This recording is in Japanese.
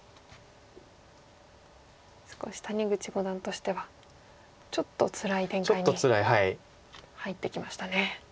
少し谷口五段としてはちょっとつらい展開に入ってきましたね。